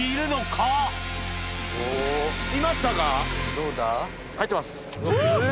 どうだ？え！